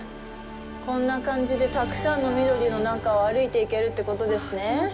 こんな感じでたくさんの緑の中を歩いていけるってことですね。